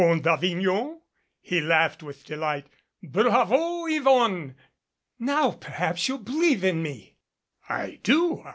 "The Pont d'Avignon?" he laughed with delight. "Bravo, Yvonne !" "Now perhaps you'll believe in me." "I do.